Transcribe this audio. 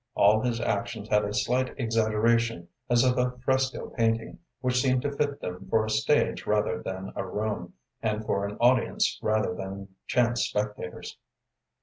All his actions had a slight exaggeration as of fresco painting, which seemed to fit them for a stage rather than a room, and for an audience rather than chance spectators.